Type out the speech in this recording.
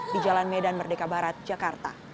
di jalan medan merdeka barat jakarta